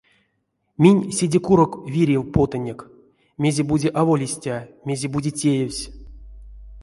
Минь седе курок вирев потынек: мезе-бути аволь истя, мезе-бути теевсь.